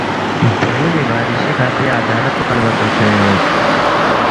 درے یُولی بادشی کھہ دی عدالت پو کلبا رگوسید